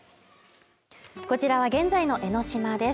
こちらは現在の江の島です。